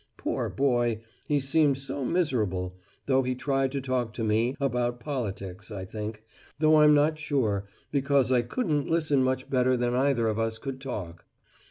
Poor boy, he seemed so miserable though he tried to talk to me about politics, I think, though I'm not sure, because I couldn't listen much better than either of us could talk.